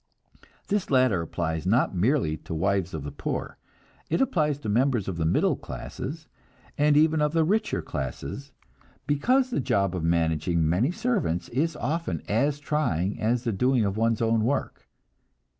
This latter applies not merely to the wives of the poor. It applies to members of the middle classes, and even of the richer classes, because the job of managing many servants is often as trying as the doing of one's own work.